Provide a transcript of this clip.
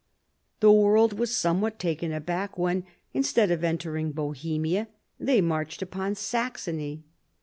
The world was somewhat taken aback when, instead of entering Bohemia, they marched upon Saxony.